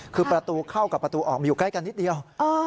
คือประตูเข้ากับประตูออกมาอยู่ใกล้กันนิดเดียว